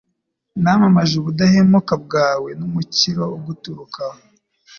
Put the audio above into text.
namamaje ubudahemuka bwawe n’umukiro uguturukaho